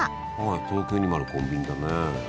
東京にもあるコンビニだね。